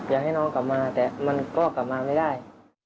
อยากให้น้องกลับมาแต่มันก็กลับมาไม่ได้